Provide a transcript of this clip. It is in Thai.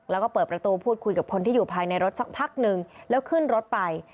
แล้วก็เปิดประตูพูดคุยกับคนที่อยู่ภายในรถสักพักนึงแล้วขึ้นรถไป